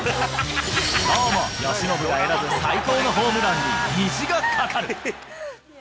きょうも由伸が選ぶ最高のホームランに虹がかかる。